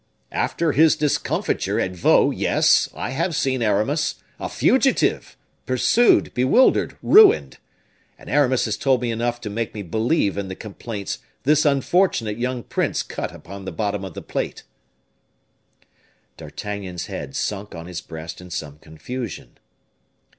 "After his discomfiture at Vaux, yes; I have seen Aramis, a fugitive, pursued, bewildered, ruined; and Aramis has told me enough to make me believe in the complaints this unfortunate young prince cut upon the bottom of the plate." D'Artagnan's head sunk on his breast in some confusion.